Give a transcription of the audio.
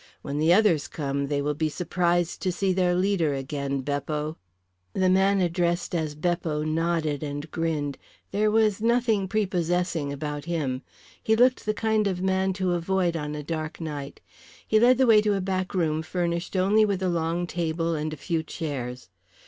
When the others come they will be surprised to see their leader again, Beppo." The man addressed as Beppo nodded and grinned. There was nothing prepossessing about him. He looked the kind of man to avoid on a dark night. He led the way to a back room furnished only with a long table and a few chairs.